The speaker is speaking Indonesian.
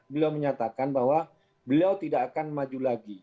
beliau menyatakan bahwa beliau tidak akan maju lagi